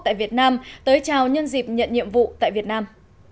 tại việt nam tới chào nhân dịp nhận nhiệm vụ tại việt nam